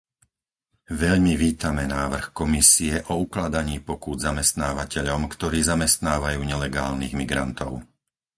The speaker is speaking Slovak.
Veľmi vítame návrh Komisie o ukladaní pokút zamestnávateľom, ktorí zamestnávajú nelegálnych migrantov.